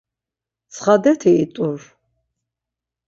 Mtsxadeti it̆ur.